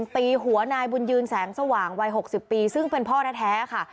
ตีหัวนายบุญยืนแสงสว่างวัย๖๐ปีซึ่งเป็นพ่อแท้ค่ะ